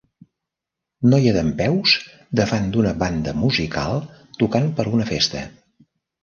Noia dempeus davant d'una banda musical tocant per a una festa